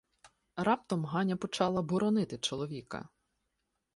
Раптом Ганя почала боронити чоловіка.